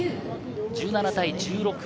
１７対１６。